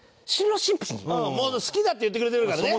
好きだって言ってくれてるからね。